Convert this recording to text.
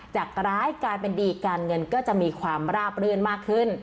จากร้ายกลายเป็นดีการเงินก็จะมีความราบรื่นมากขึ้น